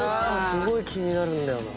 すごい気になるんだよな。